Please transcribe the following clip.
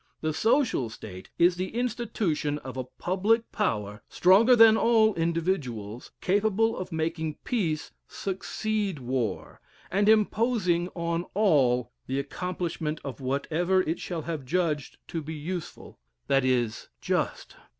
The social state is the institution of a public power, stronger than all individuals, capable of making peace succeed war, and imposing on all the accomplishment of whatever it shall have judged to be useful, that is, just."